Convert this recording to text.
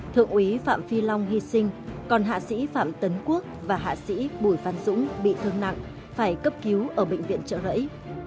thượng úy phạm phi long hy sinh còn hạ sĩ phạm tấn quốc và hạ sĩ bùi văn dũng bị thương nặng phải cấp cứu ở bệnh viện trợ rẫy